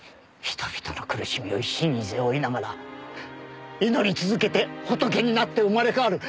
人々の苦しみを一身に背負いながら祈り続けて仏になって生まれ変わる。